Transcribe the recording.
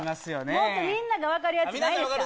もっとみんなが分かるやつないですか？